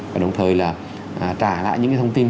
và đồng thời là trả lại những thông tin